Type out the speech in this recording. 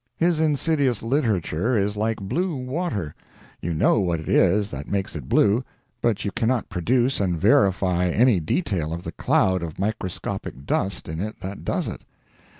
His insidious literature is like blue water; you know what it is that makes it blue, but you cannot produce and verify any detail of the cloud of microscopic dust in it that does it.